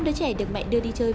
năm đứa trẻ được mẹ đưa đi chơi